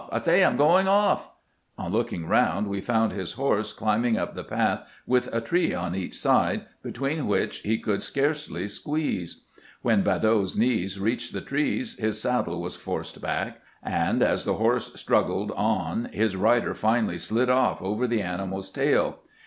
I say, I 'm going off !" On look ing round, we found his horse climbing up the path with a tree on each side, between which he could scarcely squeeze. When Badeau's knees reached the trees his saddle was forced back, and as the horse strug gled on his rider finally slid off over the animal's tail.